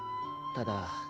ただ。